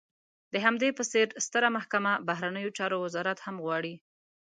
د همدې په څېر ستره محکمه، بهرنیو چارو وزارت هم غواړي.